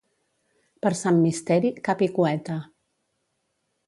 Per Sant Misteri, cap i cueta.